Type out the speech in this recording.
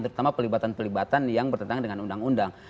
terutama pelibatan pelibatan yang bertentangan dengan undang undang